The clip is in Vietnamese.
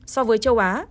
so với châu á